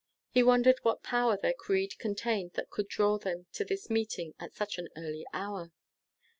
He wondered what power their creed contained that could draw them to this meeting at such an early hour.